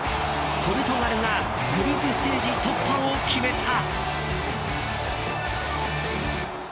ポルトガルがグループステージ突破を決めた。